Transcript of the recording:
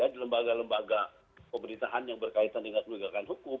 di lembaga lembaga pemerintahan yang berkaitan dengan penegakan hukum